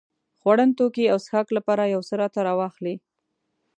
خوړن توکي او څښاک لپاره يو څه راته راواخلې.